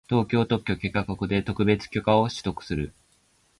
東京特許許可局で特許許可を取得する